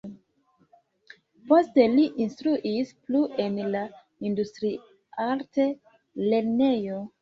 Poste li instruis plu en la Industriarta Lernejo.